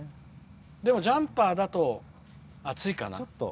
でも、ジャンパーだと暑いかな。